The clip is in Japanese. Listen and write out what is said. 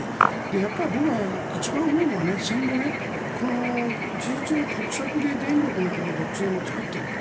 やっぱり僕が一番思うのは戦後、事実上の国策で電力の独占を作っていった。